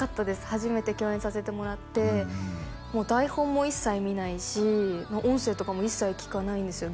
初めて共演させてもらってもう台本も一切見ないし音声とかも一切聞かないんですよ